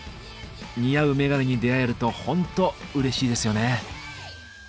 似合うメガネに出会えるとホントうれしいですよね。